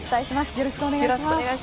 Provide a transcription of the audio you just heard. よろしくお願いします。